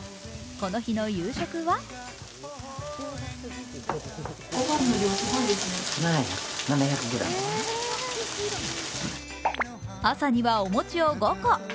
この日の夕食は朝にはお餅を５個。